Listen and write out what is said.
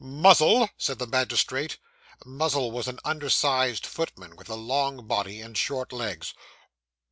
'Muzzle!' said the magistrate. Muzzle was an undersized footman, with a long body and short legs.